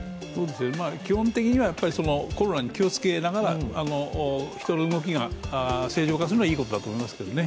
基本的にはコロナに気をつけながら、人の動きが正常化するのはいいことだと思いますけどね。